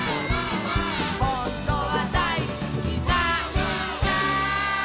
「ほんとはだいすきなんだ」